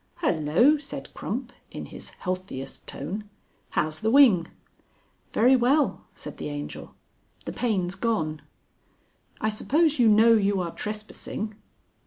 "Hullo!" said Crump, in his healthiest tone. "How's the wing?" "Very well," said the Angel. "The pain's gone." "I suppose you know you are trespassing?"